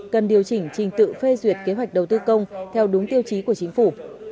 cần điều chỉnh trình tự phê duyệt kế hoạch đầu tư công theo đúng tiêu chí của chính phủ